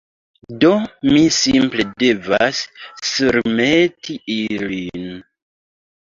Do, mi simple devas surmeti ilin